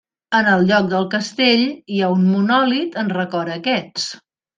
En el lloc del castell hi ha un monòlit en record a aquests.